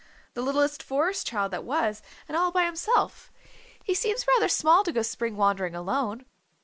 "The littlest Forest Child that was, and all by himself. He seems rather small to go spring wandering alone."